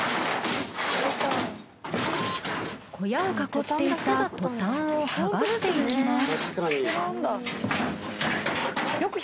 小屋を囲っていたトタンを剥がしていきます。